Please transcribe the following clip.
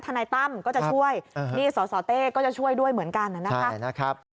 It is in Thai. นายตั้มก็จะช่วยนี่สสเต้ก็จะช่วยด้วยเหมือนกันนะครับ